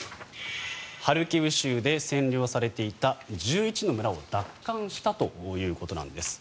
ハルキウ州で占領されていた１１の村を奪還したということなんです。